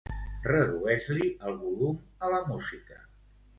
Redueix-li el volum a la música.